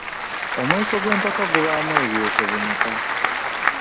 Omweso ogw’empaka gubaamu ebyeso bimeka?